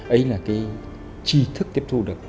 ây là cái chi thức tiếp thu được